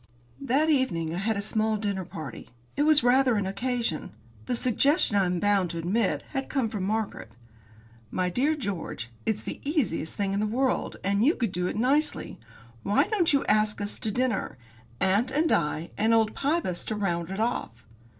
That evening I had a small dinner party. It was rather an occasion. The suggestion, I am bound to admit, had come from Margaret. "My dear George, it's the easiest thing in the world, and you could do it nicely! Why don't you ask us to dinner? Aunt and I, and old Pybus to round it off."